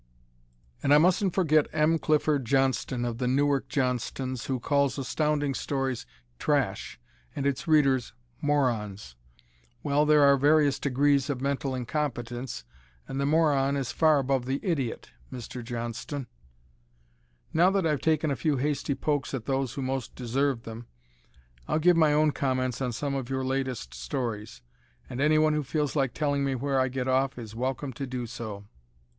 And I mustn't forget M. Clifford Johnston of the Newark Johnstons, who calls Astounding Stories trash and its Readers morons. Well, there are various degrees of mental incompetence, and the moron is far above the idiot, Mr. Johnston! Now that I've taken a few hasty pokes at those who most deserved them, I'll give my own comments on some of your latest stories and anyone who feels like telling me where I get off is welcome to do so.